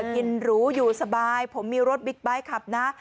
หรูอยู่สบายผมมีรถบิ๊กไบท์ขับนะ